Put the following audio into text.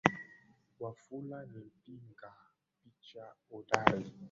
Wafula ni mpiga picha hodari.